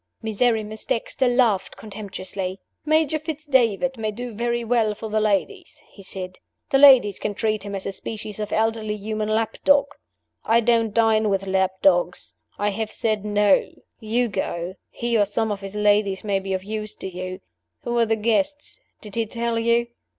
Miserrimus Dexter laughed contemptuously. "Major Fitz David may do very well for the ladies," he said. "The ladies can treat him as a species of elderly human lap dog. I don t dine with lap dogs; I have said, No. You go. He or some of his ladies may be of use to you. Who are the guests? Did he tell you?"